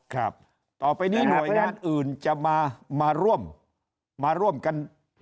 ครับต่อไปนี้หน่วยงานอื่นจะมาร่วมมาร่วมกัน